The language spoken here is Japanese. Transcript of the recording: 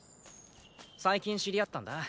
最近知り合ったんだ。